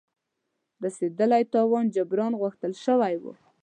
رسېدلي تاوان جبران غوښتل شوی وو.